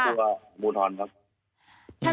ครับคืออุทธรณ์ครับ